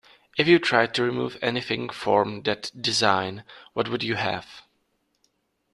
If you tried to remove anything form that design what would you have?